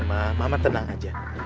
ma mama tenang aja